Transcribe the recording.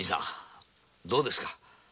どうです？